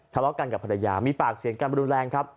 ทะเลาะกันกับภรรยามีปากเสียงกันรุนแรงครับ